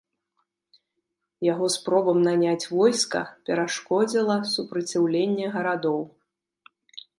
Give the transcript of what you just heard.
Яго спробам наняць войска перашкодзіла супраціўленне гарадоў.